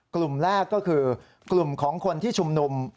กลุ่มแรกก็คือกลุ่มของคนที่ชุมนุม